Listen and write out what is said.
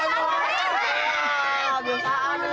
ya sudah dia yang kecil